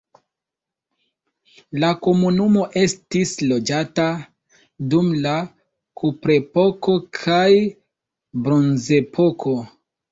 La komunumo estis loĝata dum la kuprepoko kaj bronzepoko.